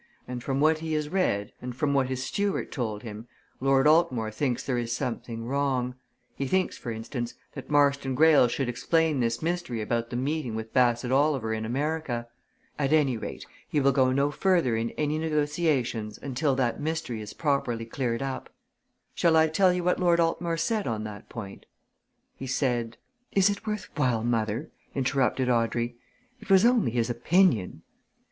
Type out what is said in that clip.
And from what he has read, and from what his steward told him, Lord Altmore thinks there is something wrong he thinks, for instance, that Marston Greyle should explain this mystery about the meeting with Bassett Oliver in America. At any rate, he will go no further in any negotiations until that mystery is properly cleared up. Shall I tell you what Lord Altmore said on that point? He said " "Is it worth while, mother?" interrupted Audrey. "It was only his opinion."